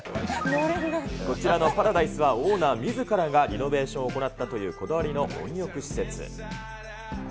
こちらのパラダイスは、オーナーみずからがリノベーションを行ったというこだわりの温浴施設。